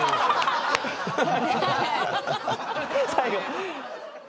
最後。